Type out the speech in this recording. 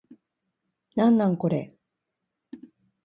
なんなんこれ